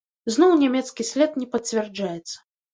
Зноў нямецкі след не пацвярджаецца.